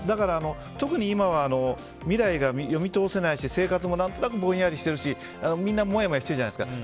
特に今は未来が読み通せないし生活も何となくぼんやりしてるしみんなもやもやしてるじゃないですか。